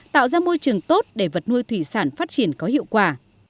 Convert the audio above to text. tạo ra môi trường tốt để vật nuôi thủy sản phát triển có hiệu quả